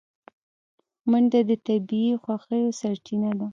منډه د طبیعي خوښیو سرچینه ده